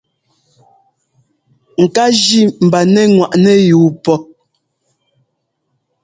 Ŋká jí mba nɛ́ ŋwaʼnɛ́ yuu pɔ́.